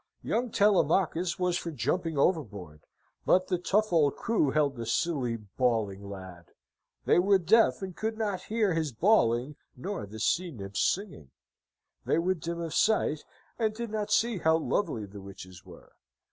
Young Telemachus was for jumping overboard: but the tough old crew held the silly, bawling lad. They were deaf, and could not hear his bawling nor the sea nymphs' singing. They were dim of sight, and did not see how lovely the witches were.